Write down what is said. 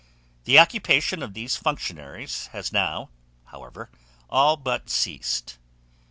The occupation of these functionaries has now, however, all but ceased.